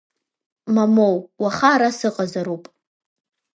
Мамоу, уаха ара сыҟазароуп.